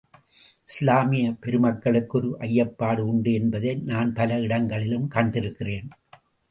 இஸ்லாமியப் பெருமக்களுக்கு ஒரு ஐயப்பாடு உண்டு என்பதை நான் பல இடங்களில் கண்டிருக்கிறேன்.